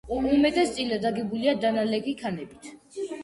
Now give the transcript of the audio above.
უმეტესწილად აგებულია დანალექი ქანებით.